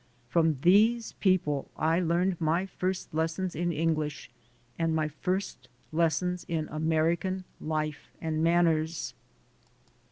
From these people I learned my first lessons in English and my first lessons in American life and manners.